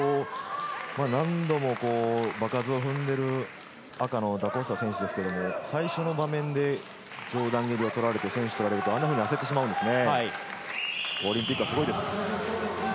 やはり何度も場数を踏んでる赤のダ・コスタ選手ですけれども最初の場面で上段蹴りを取られて先取を取られるとあんなふうに焦ってしまうんですね。